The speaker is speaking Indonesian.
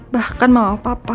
bahkan mama papa